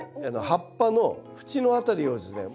葉っぱの縁の辺りをですね